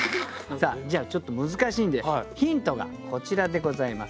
じゃあちょっと難しいんでヒントがこちらでございます。